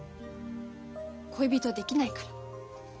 恋人できないから。